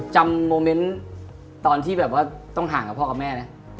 โมเมนต์ตอนที่แบบว่าต้องห่างกับพ่อกับแม่นะ